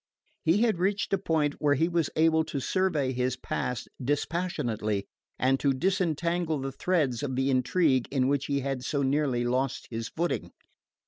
He had reached a point where he was able to survey his past dispassionately and to disentangle the threads of the intrigue in which he had so nearly lost his footing.